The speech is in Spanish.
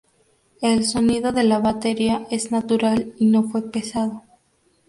El sonido de la batería es natural y no fue pesado.